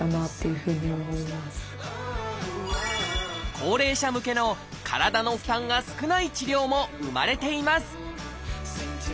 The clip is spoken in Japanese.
高齢者向けの体の負担が少ない治療も生まれています